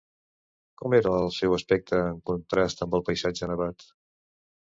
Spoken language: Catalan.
Com era el seu aspecte en contrast amb el paisatge nevat?